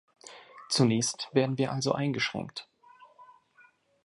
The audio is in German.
Zunächst werden wir also eingeschränkt.